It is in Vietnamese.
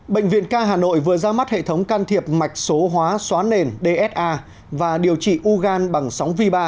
bệnh viện ca hà nội vừa ra mắt hệ thống can thiệp mạch số hóa xóa nền dsa và điều trị ugan bằng sóng v ba